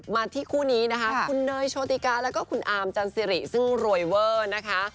มาที่คู่นี้นะคะคุณเนยโชติกาแล้วก็คุณอาร์มจันสิริซึ่งรวยเวอร์นะคะ